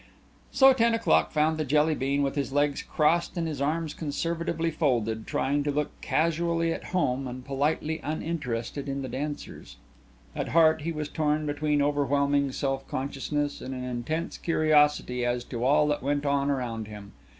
So ten o'clock found the Jelly bean with his legs crossed and his arms conservatively folded, trying to look casually at home and politely uninterested in the dancers. At heart he was torn between overwhelming self consciousness and an intense curiosity as to all that went on around him.